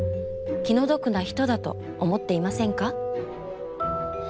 気の毒な人だと思っていませんか？